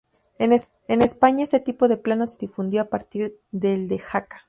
En España este tipo de plano se difundió a partir del de Jaca.